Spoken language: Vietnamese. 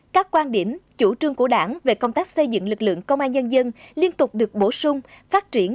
các quan điểm chủ trương của đảng về công tác xây dựng lực lượng công an nhân dân liên tục được bổ sung phát triển